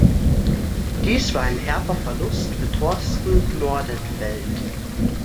Dies war ein herber Verlust für Thorsten Nordenfelt.